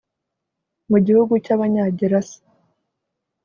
Mu gihugu cy abanyagerasa